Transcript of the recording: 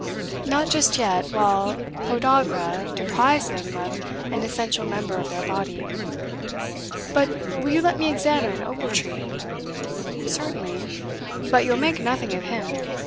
"Not just yet, while podagra deprives them of an essential member of their body. But will you let me examine Ochiltree?" "Certainly; but you'll make nothing of him.